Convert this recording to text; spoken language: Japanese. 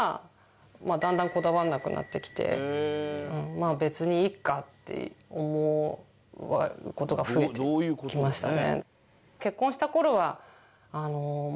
まあ別にいっかって思う事が増えてきましたね。